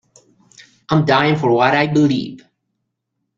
I'm dying for what I believe.